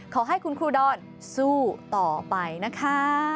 ขอให้คุณครูดอนสู้ต่อไปนะคะ